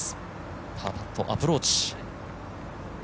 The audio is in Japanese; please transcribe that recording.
パーパットアプローチ。